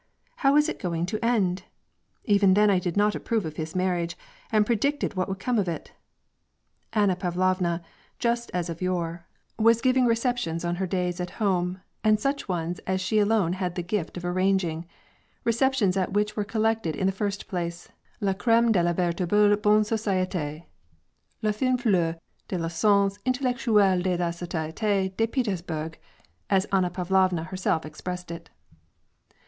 I(pw is it going to end ? Even then I did not approve of his marriage, and predicted what would come of it." Anna Pavlovna, just as of yore, was giving receptions on War and peace, 89 her days at home, and such ones as she alone had the gift of arranging :— receptions at which were collected in the first place, la creme de la vMtahle bonne societe, la fin fleur de Pessence intellectuelle de la societe de Fetersbourg, as Anna Pavlovna herself expressed it.